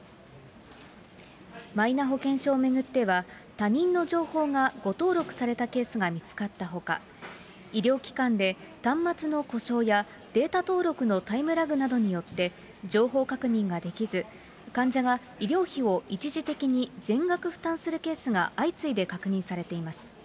マイナ保険証を巡っては、他人の情報が誤登録されたケースが見つかったほか、医療機関で端末の故障や、データ登録のタイムラグなどによって、情報確認ができず、患者が医療費を一時的に全額負担するケースが相次いで確認されています。